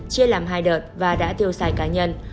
chia làm hai đợt và đã tiêu xài cá nhân